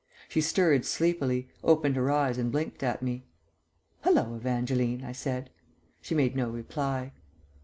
She stirred sleepily, opened her eyes and blinked at me. "Hallo, Evangeline," I said. She made no reply.